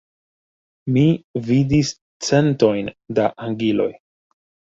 Mi vidis centojn da angiloj.